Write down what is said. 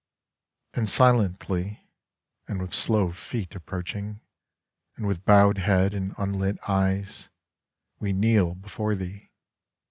And silently; And with slow feet approaching; And with bowed head and unlit eyes, We kneel before thee.